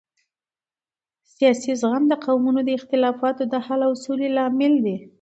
سیاسي زغم د قومونو د اختلافاتو د حل او سولې لامل دی